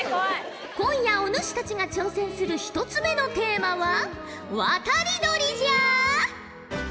今夜お主たちが挑戦する１つ目のテーマは渡り鳥じゃ！